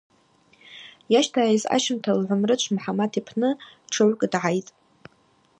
Йащтагӏайыз ащымта Лгӏвамрычв Мхӏамат йпны тшыгӏвкӏ дгӏайтӏ.